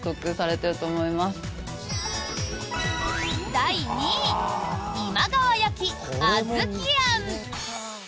第２位今川焼あずきあん。